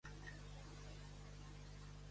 La Corona